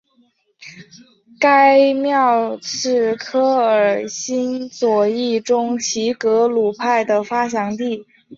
该庙是科尔沁左翼中旗格鲁派的发祥地。